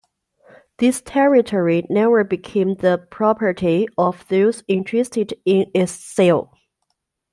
This territory never became the property of those interested in its sale.